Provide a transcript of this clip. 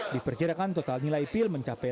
diperkirakan total nilai pil mencapai